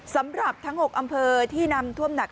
สำหรับทั้ง๖อำเภอที่นำท่วมหนัก